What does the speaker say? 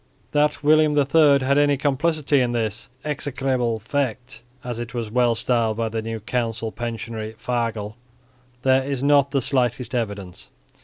That William III had any complicity in this execrable faict, as it was well styled by the new council pensionary Fagel, there is not the slightest evidence.